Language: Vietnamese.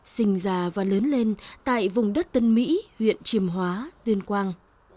sinh già và lớn lên tại vùng đất tân mỹ huyện chiêm hóa tuyên quang